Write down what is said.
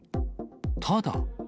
ただ。